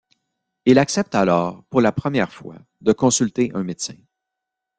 Il accepte alors, pour la première fois, de consulter un médecin.